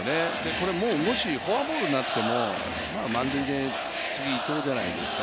これ、もしフォアボールになっても満塁で次、伊藤じゃないですか。